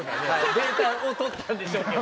データを取ったんでしょうけど。